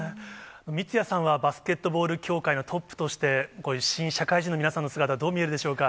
三屋さんはバスケットボール協会のトップとして、新社会人の皆さんの姿、どう見えるでしょうか。